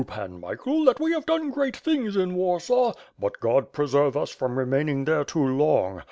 Pan Michael, that we have done great things in Warsaw, but God preserve us from remaining there too long.